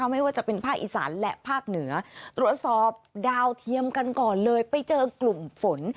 ไม่ว่าจะเป็นภาคอีสานและภาคเหนือตรวจสอบดาวเทียมกันก่อนเลยไปเจอกลุ่มฝน